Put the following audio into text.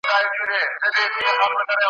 یوه ورځ به ته هم وینې د سرو میو ډک خمونه `